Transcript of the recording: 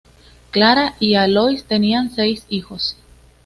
Klara y Alois tenían seis hijos.